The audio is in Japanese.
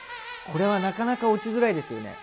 これはなかなか落ちづらいですよね。